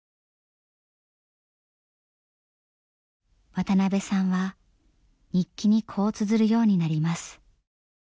渡邊さんは日記にこうつづるようになります。